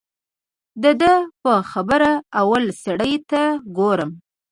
د ده په خبره اول سړي ته ګورم.